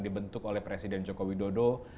dibentuk oleh presiden joko widodo